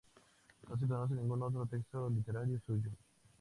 No se conoce ningún otro texto literario suyo.